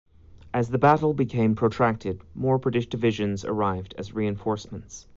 As the battle became protracted, more British divisions arrived as reinforcements.